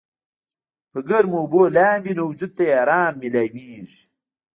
پۀ ګرمو اوبو لامبي نو وجود ته ئې ارام مېلاويږي